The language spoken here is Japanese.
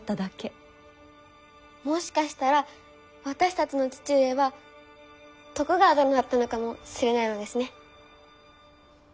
もしかしたら私たちの父上は徳川殿だったのかもしれないのですね。